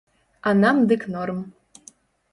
А нам дык норм!